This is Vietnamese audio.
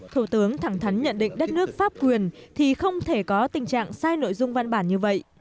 thủ tướng thẳng thắn nhận định đất nước pháp quyền thì không thể có tình trạng sai nội dung văn bản như vậy